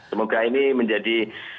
semoga ini menjadi